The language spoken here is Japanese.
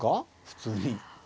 普通に。